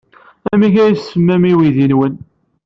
Amek ay as-tsemmam i uydi-nwen?